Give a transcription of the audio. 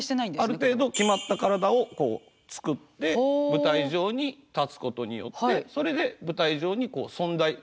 ある程度決まった体をこう作って舞台上に立つことによってそれで舞台上に存在する登場人物と。